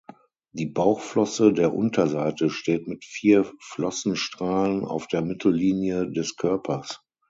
Die Bauchflosse der Unterseite steht mit vier Flossenstrahlen auf der Mittellinie des Körpers.